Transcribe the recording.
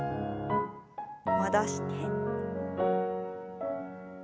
戻して。